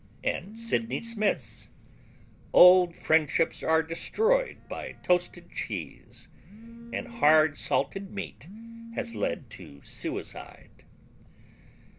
And Sydney Smith's: Old friendships are destroyed by toasted cheese, and hard salted meat has led to suicide.